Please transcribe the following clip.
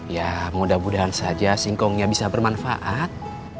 ya mudah mudahan saja singkongnya bisa bermanfaat